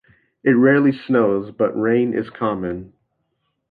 It rarely snows, but rain is common.